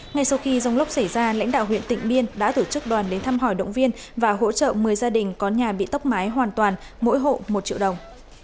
ngay sau khi rông lốc xảy ra lãnh đạo huyện tỉnh biên đã tổ chức đoàn đến thăm hỏi động viên và hỗ trợ một mươi gia đình có nhà bị tốc mái hoàn toàn mỗi hộ một triệu đồng